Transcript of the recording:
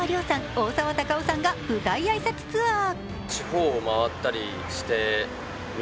大沢たかおさんが舞台挨拶ツアー。